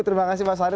terima kasih mas hadi